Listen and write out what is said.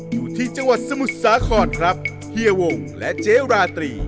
อยู่ที่จังหวัดสมุทรสาครครับเฮียวงและเจ๊ราตรี